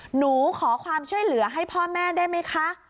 หนูขอความช่วยเหลือให้พ่อแม่ได้ไหมคะ